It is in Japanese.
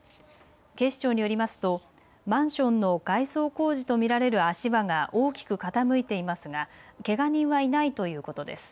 警視庁によりますとマンションの外装工事と見られる足場が大きく傾いていますがけが人はいないということです。